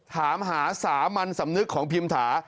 ถามหาสามัญสำนึกของพิมถา